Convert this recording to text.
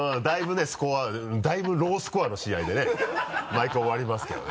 だいぶロースコアの試合でね毎回終わりますけどね